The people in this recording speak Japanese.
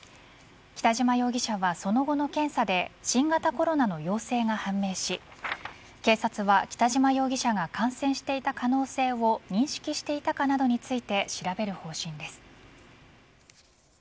北島容疑者はその後の検査で新型コロナの陽性が判明し警察は、北島容疑者が感染していた可能性を認識していたかなどについて調べる方針です。